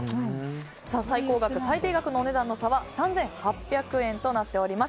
最高額最低額のお値段の差は３８００円となっております。